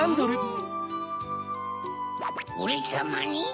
オレさまに？